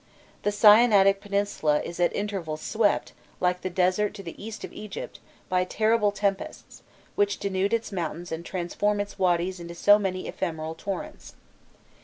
The Sinaitic peninsula is at intervals swept, like the desert to the east of Egypt, by terrible tempests, which denude its mountains and transform its wadys into so many ephemeral torrents.